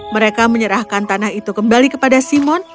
mereka menyerahkan tanah itu kembali kepada simon